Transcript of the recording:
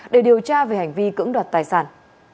để điều tra về hành vi cưỡng đoạt tài sản